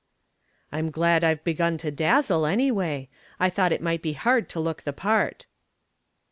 "I'm glad I've begun to dazzle, anyway. I thought it might be hard to look the part."